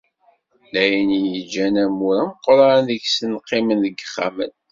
D ayen i yeǧǧan amur ameqqran deg-sen qqimen deg yixxamen.